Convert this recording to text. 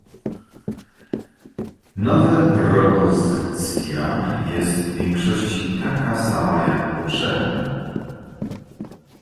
Nowe propozycja jest w większości taka sama jak poprzednia